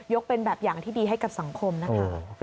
เป็นแบบอย่างที่ดีให้กับสังคมนะคะ